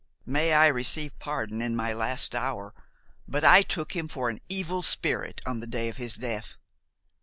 "May I receive pardon in my last hour, but I took him for an evil spirit on the day of his death!